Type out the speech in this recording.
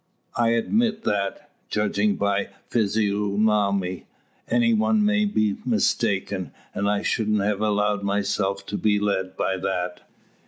I admit that, judging by physiognomy, any one may be mistaken; and I shouldn't have allowed myself to be led by that.